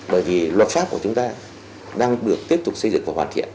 bởi vì luật pháp của chúng ta đang được tiếp tục xây dựng và hoàn thiện